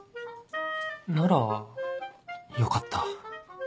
ならよかった